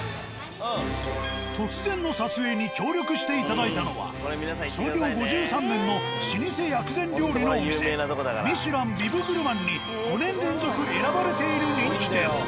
突然の撮影に協力していただいたのは創業５３年の老舗薬膳料理のお店ミシュランビブグルマンに５年連続選ばれている人気店。